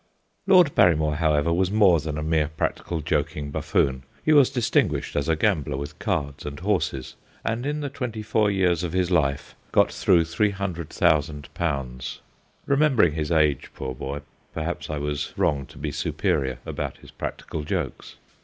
Lord Barrymore, however, was more than a mere practical joking buffoon. He was distinguished as a gambler with cards and horses, and in the twenty four years of his life got through 300,000. Remembering his age, poor boy, perhaps I was wrong to be superior about his practical jokes.